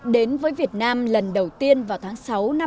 đến với việt nam lần đầu tiên vào tháng sáu năm hai nghìn năm